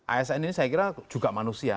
asn ini saya kira juga manusia